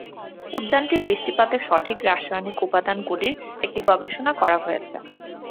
উদ্যানটির বৃষ্টিপাতের সঠিক রাসায়নিক উপাদানগুলির একটি গবেষণা করা হয়েছে।